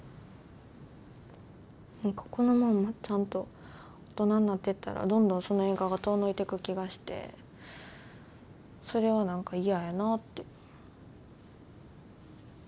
何かこのままちゃんと大人になってったらどんどんその映画が遠のいていく気がしてそれは何か嫌やなって。